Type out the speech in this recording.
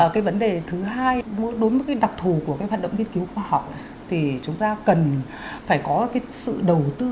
cái vấn đề thứ hai đối với cái đặc thù của cái hoạt động nghiên cứu khoa học thì chúng ta cần phải có cái sự đầu tư